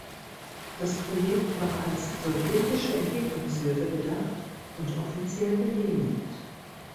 Das Projekt war als sowjetische Entwicklungshilfe gedacht und offiziell genehmigt.